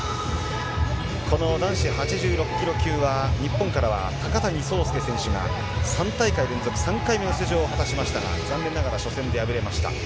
この男子８６キロ級は、日本からは高谷惣亮選手が３大会連続３回目の出場を果たしましたが、残念ながら初戦で敗れました。